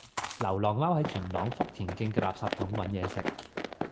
流浪貓喺元朗福田徑嘅垃圾桶搵野食